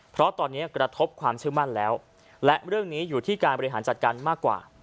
เพราะตอนนี้กระทบความเชื่อมั่นแล้วและเรื่องนี้อยู่ที่การบริหารจัดการมากกว่า